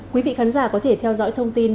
quý vị khán giả có thể theo dõi thông tin